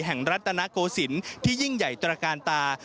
แห่งรัฐนโกสินทร์ที่ยิ่งใหญ่ตราการตา